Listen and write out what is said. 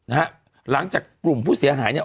หลังจากกลุ่มผู้เสียหายเนี่ย